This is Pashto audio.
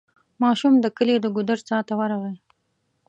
ماشوم د کلي د ګودر څا ته ورغی.